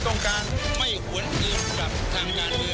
วันชะพรมือชะลาดน